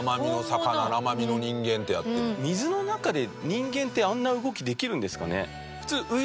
水の中で人間ってあんな動きできるんですかね。